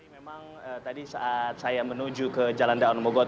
memang tadi saat saya menuju ke jalan daan mogot